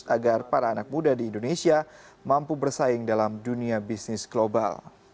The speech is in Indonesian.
agar para anak muda di indonesia mampu bersaing dalam dunia bisnis global